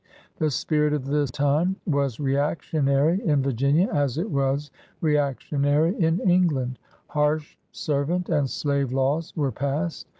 The spirit of the time was reactionary in Vir ginia as it was reactionary in England. Harsh servant and slave laws were passed.